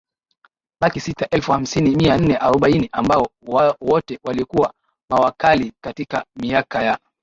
laki sita elfu hamsini mia nne arobaini ambao wote walikuwa mawakala Katika miaka ya